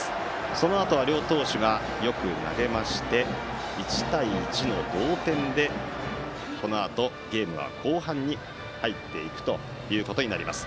そのあと両投手がよく投げまして１対１の同点でこのあとゲームは後半に入っていくということになります。